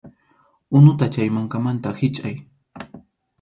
Unuta chay mankamanta hichʼay.